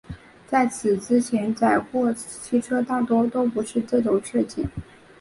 在此之前载货汽车大多都不是这种设计。